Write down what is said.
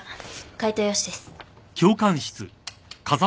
解答用紙です。